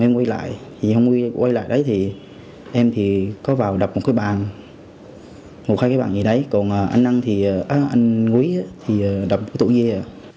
em quay lại thì em quay lại đấy thì em thì có vào đập một cái bàn một hai cái bàn gì đấy còn anh năng thì anh quý thì đập cái tủ kia